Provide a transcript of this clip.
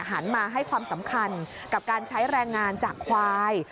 หันมาให้ความสำคัญกับการใช้แรงงานจากควาย